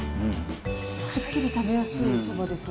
すっきり食べやすいそばですね。